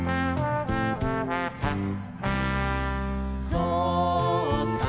「ぞうさん